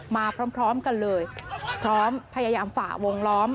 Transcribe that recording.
มาพร้อมกันเลยพร้อมพยายามฝ่าวงล้อม